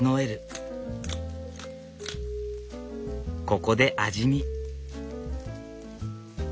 ここで味見。